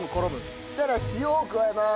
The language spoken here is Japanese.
そしたら塩を加えます。